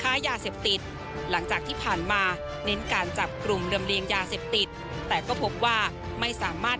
ค้ายาเสพติดหลังจากที่ผ่านมาเน้นการจับกลุ่มลำเลียงยาเสพติดแต่ก็พบว่าไม่สามารถ